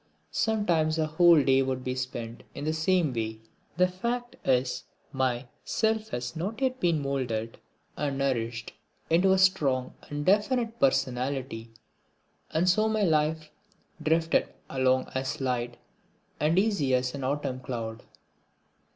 Sometimes a whole day would be spent in the same way. The fact is my self had not yet been moulded and nourished into a strong and definite personality and so my life drifted along as light and easy as an autumn cloud.